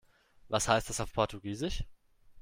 Was heißt das auf Portugiesisch?